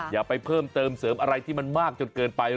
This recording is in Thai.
อย่าไปเพิ่มเติมเสริมอะไรที่มันมากจนเกินไป